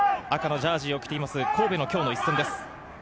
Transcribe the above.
赤のジャージーを着ています、神戸の今日の一戦です。